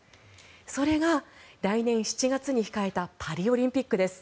それが来年７月に控えたパリオリンピックです。